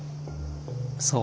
そう？